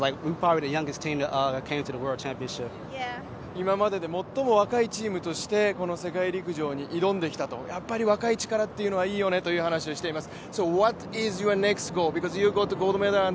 今までで最も若いチームとしてこの世界陸上に挑んできたと、やっぱり若い力というのはいいよねという話をしています。